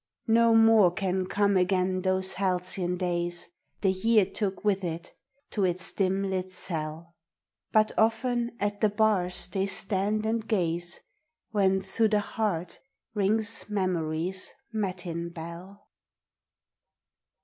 No more can come again those halcyon days The Year took with it to its dim lit cell; But often at the bars they stand and gaze, When through the heart rings memory's matin bell.